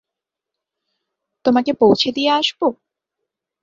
তোমাকে পৌঁছে দিয়ে আসব?